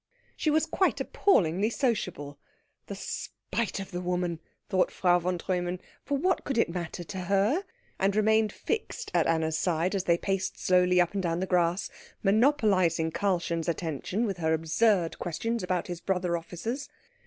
She was quite appallingly sociable "The spite of the woman!" thought Frau von Treumann, for what could it matter to her? and remained fixed at Anna's side as they paced slowly up and down the grass, monopolising Karlchen's attention with her absurd questions about his brother officers.